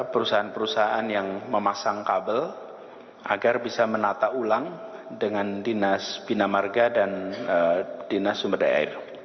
perusahaan perusahaan yang memasang kabel agar bisa menata ulang dengan dinas bina marga dan dinas sumber daya air